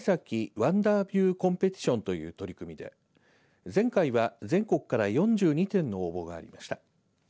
ワンダービューコンペティションという取り組みで前回は全国から４２点の応募がありました。